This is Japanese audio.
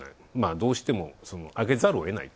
どうしても上げざるをえない。